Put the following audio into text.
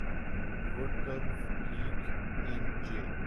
would cliff Lake اینجے